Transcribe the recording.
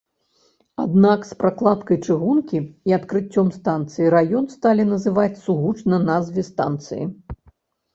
Аднак з пракладкай чыгункі і адкрыццём станцыі раён сталі называць сугучна назве станцыі.